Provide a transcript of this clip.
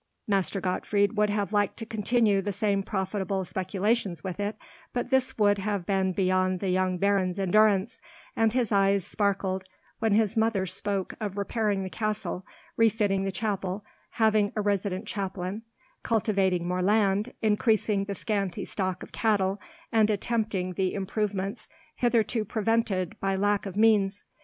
Master Gottfried would have liked to continue the same profitable speculations with it; but this would have been beyond the young Baron's endurance, and his eyes sparkled when his mother spoke of repairing the castle, refitting the chapel, having a resident chaplain, cultivating more land, increasing the scanty stock of cattle, and attempting the improvements hitherto prevented by lack of means.